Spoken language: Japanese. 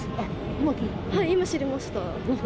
今、今、知りました。